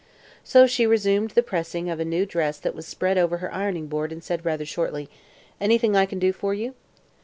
So she resumed the pressing of a new dress that was spread over her ironing board and said rather shortly: "Anything I can do for you?"